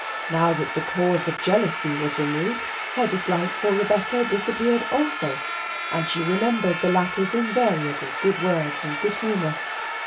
Now that the cause of jealousy was removed, her dislike for Rebecca disappeared also, and she remembered the latter's invariable good words and good humour.